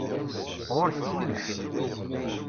Ɣur-k kullec.